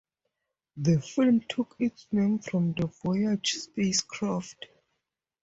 The firm took its name from the Voyager space craft.